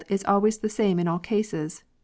is always the same in all cases !